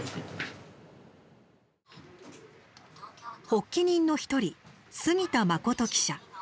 発起人の１人杉田淳記者。